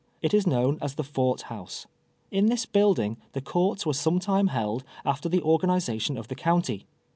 It is known as the Fort House. In this building the courts were sometime held after the organization of the county.